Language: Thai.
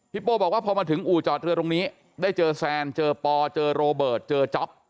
โป้บอกว่าพอมาถึงอู่จอดเรือตรงนี้ได้เจอแซนเจอปอเจอโรเบิร์ตเจอจ๊อป